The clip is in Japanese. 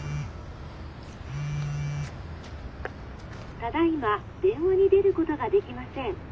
「ただいま電話に出ることができません。